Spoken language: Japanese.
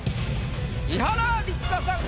伊原六花さんか？